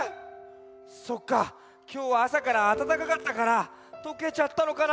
そっかきょうはあさからあたたかかったからとけちゃったのかな。